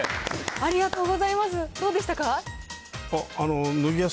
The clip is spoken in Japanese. ありがとうございます。